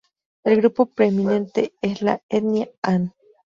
El grupo preeminente es la etnia han.